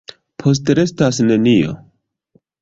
Postrestas nenio.